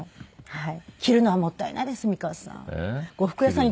はい。